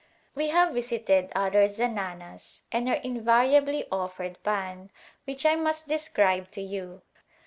We have visited other zananas, and are invariably offered pan^ which I must describe to you.